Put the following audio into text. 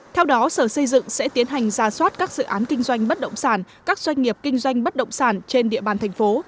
theo đó sở xây dựng sẽ tiến hành ra soát các dự án kinh doanh bất động sản các doanh nghiệp kinh doanh bất động sản trên địa bàn thành phố